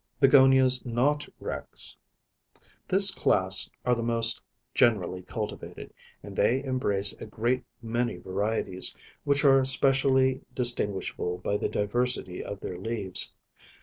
BEGONIAS, NOT REX. This class are the most generally cultivated, and they embrace a great many varieties, which are specially distinguishable by the diversity of their leaves.